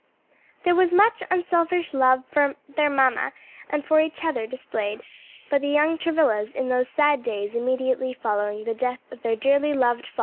_ There was much unselfish love for their mamma and for each other displayed by the young Travillas in those sad days immediately following the death of their dearly loved father.